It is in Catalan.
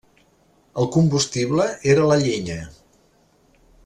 El combustible era la llenya.